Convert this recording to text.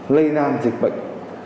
lây nan dịch bệnh